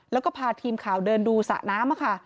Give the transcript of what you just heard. แล้วก็พาทีมข่าวเดินดูสระน้ำค่ะ